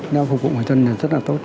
nó phục vụ mọi dân rất là tốt